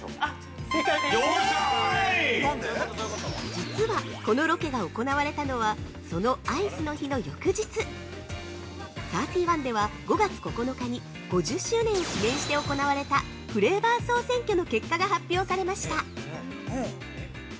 ◆実はこのロケが行われたのはそのアイスの日の翌日、サーティワンでは５月９日に５０周年を記念して行われたフレーバー総選挙の結果が発表されました◆